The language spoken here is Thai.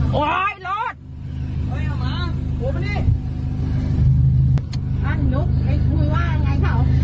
ก็มันส่ายอีกขนาดไหน